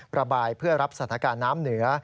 ระบายเพื่อรับสถานการณ์น้ำเหนือ